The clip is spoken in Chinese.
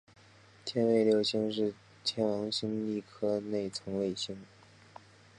天卫六是天王星的一颗内层卫星。